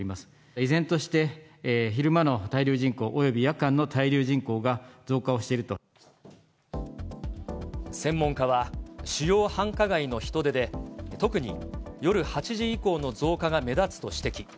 依然として昼間の滞留人口および夜間の滞留人口が増加をしている専門家は、主要繁華街の人出で、特に夜８時以降の増加が目立つと指摘。